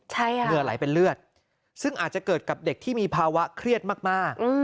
ใช่ค่ะเหงื่อไหลเป็นเลือดซึ่งอาจจะเกิดกับเด็กที่มีภาวะเครียดมาก